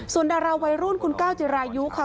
ส่วนดาราวัยรุ่นคุณก้าวจิรายุค่ะ